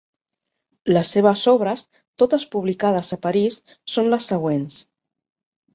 Les seves obres, totes publicades a París, són les següents.